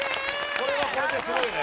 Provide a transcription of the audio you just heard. これはこれですごいね。